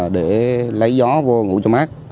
để lấy gió vô ngủ cho mát